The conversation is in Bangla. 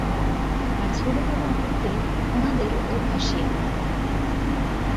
আর ছেলেবেলা হইতে উঁহাদের অভ্যাসই একরকম।